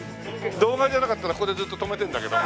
動画じゃなかったらここでずっと止めてるんだけど。